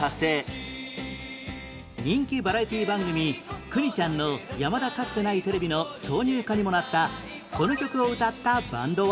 人気バラエティー番組『邦ちゃんのやまだかつてないテレビ』の挿入歌にもなったこの曲を歌ったバンドは？